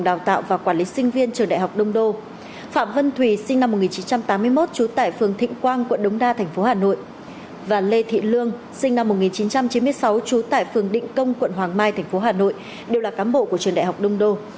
đều là cám bộ của trường đại học đông đô